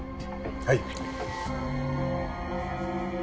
はい。